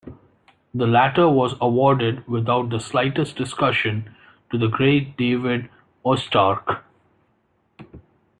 The latter was awarded without the slightest discussion to the great David Oistrakh.